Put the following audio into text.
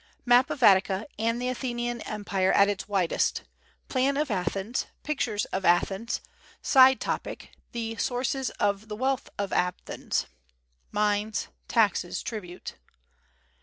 Map of Attica and the Athenian Empire at its widest. Plan of Athens. Pictures of Athens. Side topic: the sources of the wealth of Athens. (Mines, taxes, tribute).